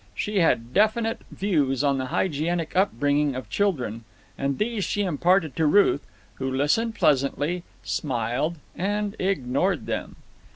She had definite views on the hygienic upbringing of children, and these she imparted to Ruth, who listened pleasantly, smiled, and ignored them.